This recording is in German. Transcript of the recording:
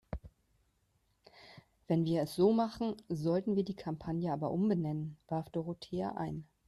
Wenn wir es so machen, sollten wir die Kampagne aber umbenennen, warf Dorothea ein.